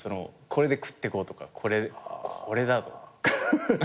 これで食ってこうとかこれだと。